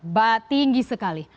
kita lihat tinggi sekali